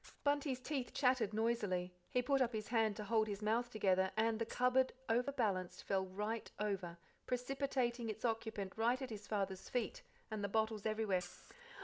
Bunty's teeth chattered noisily; he put up his hand to hold his mouth together, and the cupboard, overbalanced, fell right over, precipitating its occupant right at his father's feet, and the bottles everywhere.